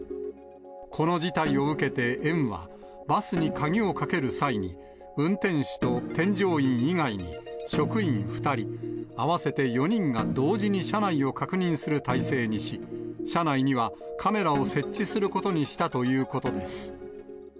この事態を受けて園は、バスに鍵をかける際に、運転手と添乗員以外に職員２人、合わせて４人が同時に車内を確認する体制にし、車内にはカメラを設置することにしたということです。